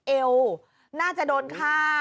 เอวน่าจะโดนฆ่า